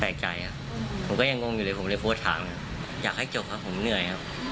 ใจผมก็ยังงงอยู่เลยผมเลยโพสต์ถามอยากให้จบครับผมเหนื่อยครับ